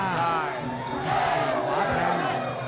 ที่ขวาแทง